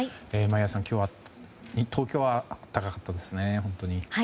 眞家さん、今日は東京は暖かかったですね。